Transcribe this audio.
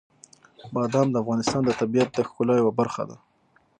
بادام د افغانستان د طبیعت د ښکلا یوه برخه ده.